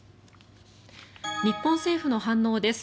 日本政府の反応です。